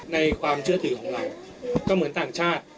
ความเชื่อถือของเราก็เหมือนต่างชาติ